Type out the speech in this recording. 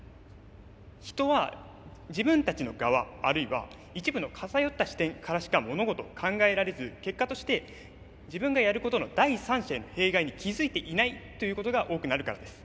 人は自分たちの側あるいは一部の偏った視点からしか物事を考えられず結果として自分がやることの第三者への弊害に気付いていないということが多くなるからです。